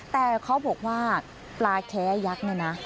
แต่เขาบอกว่าปลาแค้ยักษ์เนี่ยนะ